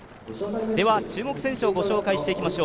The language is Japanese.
注目選手をご紹介していきましょう。